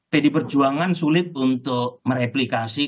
pdi perjuangan sulit untuk mereplikasi